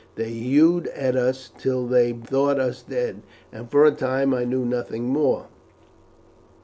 They hewed at us till they thought us dead, and for a time I knew nothing more.